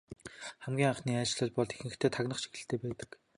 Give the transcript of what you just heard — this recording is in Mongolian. Хамгийн анхны айлчлал бол ихэнхдээ тагнах чиглэлтэй байдаг.